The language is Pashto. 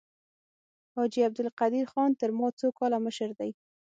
حاجي عبدالقدیر خان تر ما څو کاله مشر دی.